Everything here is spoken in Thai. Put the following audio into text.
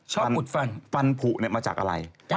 อุดฟันฟันผูมาจากอะไร